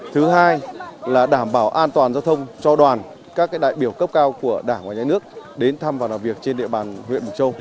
thứ hai là đảm bảo an toàn giao thông cho đoàn các đại biểu cấp cao của đảng và nhà nước đến thăm và làm việc trên địa bàn huyện mộc châu